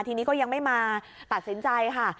ทีนี้ก็ยังไม่มาตัดสินใจค่ะ